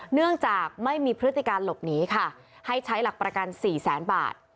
เนื่องจากไม่มีพฤติการหลบหนีค่ะให้ใช้หลักประกัน๔แสนบาท